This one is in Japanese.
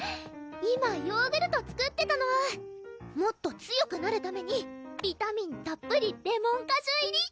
今ヨーグルト作ってたのもっと強くなるためにビタミンたっぷりレモン果汁入り！